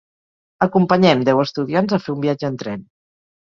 Acompanyem deu estudiants a fer un viatge en tren.